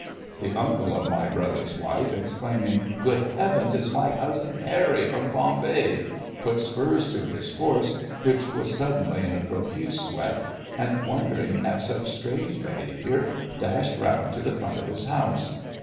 The uncle of my brother's wife, exclaiming, ' Good Heaven ! It's my cousin Harry, from Bombay !' put spurs to his horse, which was suddenly in a profuse sweat, and, wondering at such strange behaviour, dashed round to the front of his house.